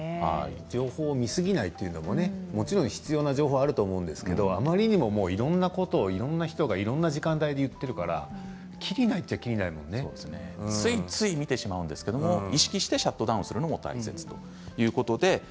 情報を見すぎないというのも、もちろん必要な情報もあると思うんですけどあまりにもいろんなことをいろんな人がいろんな時間帯で言ってるから、きりがないとついつい見てしまうんですが意識してシャットダウンすることも大切だということです。